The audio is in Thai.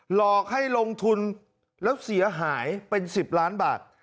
หลอกให้ลงทุนแล้วเสียหายเป็น๑๐ล้านบาท